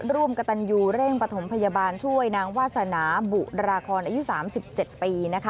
ร่วมกระตันยูเร่งปฐมพยาบาลช่วยนางวาสนาบุราคอนอายุ๓๗ปีนะคะ